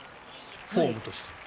フォームとして。